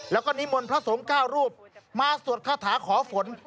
แล้วก็นิมนต์พระสงฆ์๙รูปมาสวดคาถาขอฝน